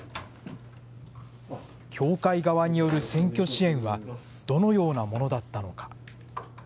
教会側による選挙支援は、どのようなものだったのか。